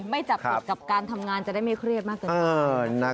ไม่จับถึกกับการทำงานจะได้ไม่เครียบมาก